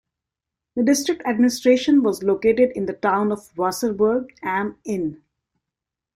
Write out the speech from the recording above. The district administration was located in the town of Wasserburg am Inn.